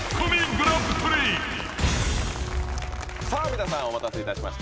皆さんお待たせいたしました。